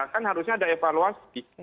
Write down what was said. kan harusnya ada evaluasi